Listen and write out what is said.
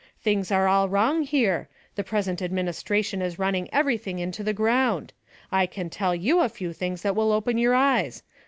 Things are all wrong here. The present administration is running everything into the ground. I can tell you a few things that will open your eyes.